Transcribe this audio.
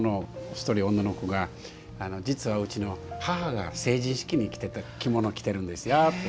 一人女の子が実はうちの母が成人式に着てた着物を着てるんですよって。